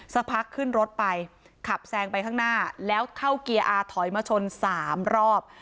สักพักขึ้นรถไปขับแซงไปข้างหน้าแล้วเข้าเกียร์อาถอยมาชน๓รอบ